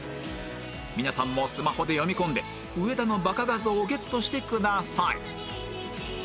皆さんもスマホで読み込んで「上田のバカ」画像をゲットしてください